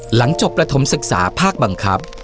หลังจบประถมศึกษาภาคบังคับ